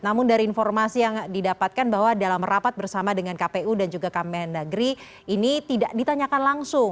namun dari informasi yang didapatkan bahwa dalam rapat bersama dengan kpu dan juga kemendagri ini tidak ditanyakan langsung